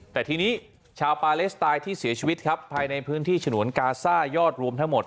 แต่ทีนี้ชาวปาเลสไตน์ที่เสียชีวิตครับภายในพื้นที่ฉนวนกาซ่ายอดรวมทั้งหมด